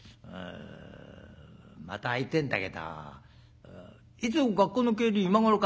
また会いてえんだけどいつも学校の帰り今頃か？」。